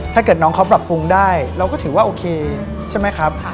ถ้าเกิดน้องเขาปรับปรุงได้เราก็ถือว่าโอเคใช่ไหมครับ